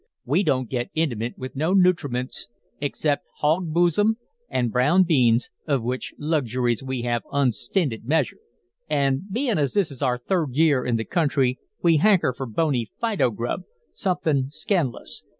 "We don't get intimate with no nutriments except hog boosum an' brown beans, of which luxuries we have unstinted measure, an' bein' as this is our third year in the country we hanker for bony fido grub, somethin' scan'lous.